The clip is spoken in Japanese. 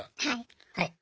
はい。